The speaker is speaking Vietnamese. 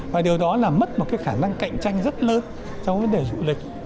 và điều đó là mất một cái khả năng cạnh tranh rất lớn trong vấn đề du lịch